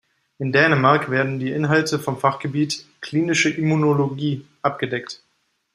In Dänemark werden die Inhalte vom Fachgebiet "Klinische Immunologie" abgedeckt.